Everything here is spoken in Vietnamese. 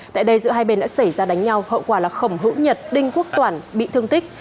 tại đây giữa hai bên đã xảy ra đánh nhau hậu quả là khổng hữu nhật đinh quốc toàn bị thương tích